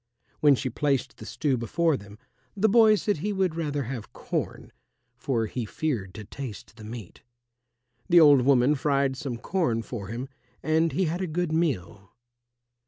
When she placed the stew before them, the boy said he would rather have corn, for he feared to taste the meat. The old woman fried some corn for him, and he had a good meal.